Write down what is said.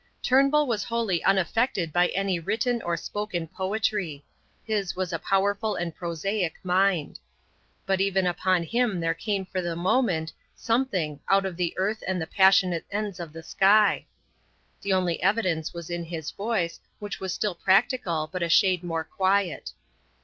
Turnbull was wholly unaffected by any written or spoken poetry; his was a powerful and prosaic mind. But even upon him there came for the moment something out of the earth and the passionate ends of the sky. The only evidence was in his voice, which was still practical but a shade more quiet.